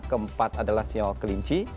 keempat adalah sio kelinci